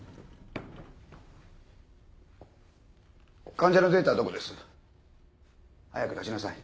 患者のデータはどこです？早く出しなさい。